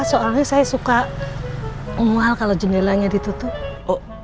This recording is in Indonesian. soalnya saya suka mual kalau jendelanya ditutup